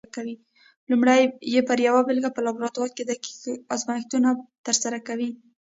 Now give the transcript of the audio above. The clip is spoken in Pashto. لومړی پر یوه بېلګه په لابراتوار کې دقیق ازمېښتونه ترسره کوي؟